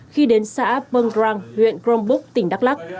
khi đến xã pongrang huyện grongbuk tỉnh đắk lắc